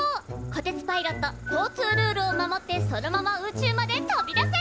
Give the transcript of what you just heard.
こてつパイロット交通ルールを守ってそのまま宇宙まで飛び出せ！